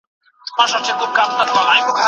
د بدرنگۍ اوج و الله او ښکلا څه ډول وه؟